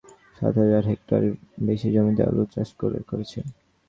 কিন্তু কৃষকেরা লক্ষ্যমাত্রার চেয়ে সাত হাজার হেক্টর বেশি জমিতে আলু চাষ করেছেন।